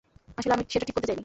আসলে, আমি সেটা ঠিক করতে চাইনি।